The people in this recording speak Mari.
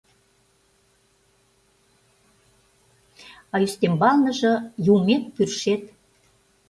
А ӱстембалныже... юмет-пӱрышет!